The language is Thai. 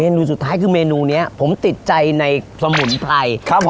นูสุดท้ายคือเมนูนี้ผมติดใจในสมุนไพรครับผม